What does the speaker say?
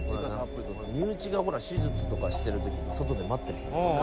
「身内がほら手術とかしてる時外で待ってる人」